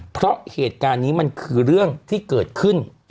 เพราะเหตุการณ์นี้มันคือเรื่องที่เกิดขึ้น